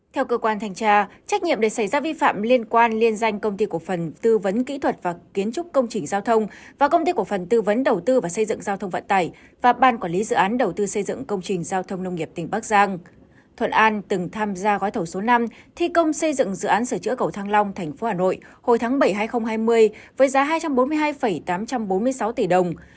theo cơ quan thanh tra trách nhiệm để xảy ra vi phạm liên quan liên danh công ty cổ phần tư vấn kỹ thuật và kiến trúc công trình giao thông và công ty cổ phần tư vấn đầu tư và xây dựng giao thông vận tải và ban quản lý dự án đầu tư xây dựng công trình giao thông nông nghiệp tỉnh bắc giang